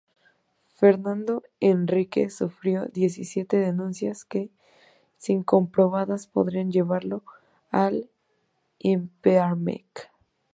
Fernando Henrique sufrió diecisiete denuncias que, si comprobadas, podrían llevarlo al impeachment.